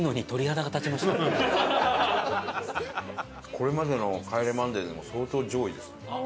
これまでの『帰れマンデー』でも相当上位ですね。